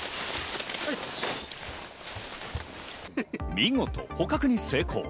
見事、捕獲に成功。